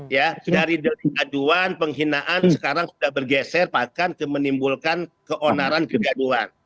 ya dari delik aduan penghinaan sekarang sudah bergeser bahkan menimbulkan keonaran kegaduhan